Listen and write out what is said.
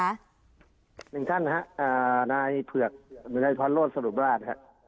๑ท่านครับนายเผือกนายพร้อมโลศรุปราช